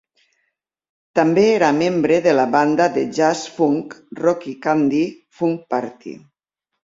També era membre de la banda de jazz-funk Rock Candy Funk Party.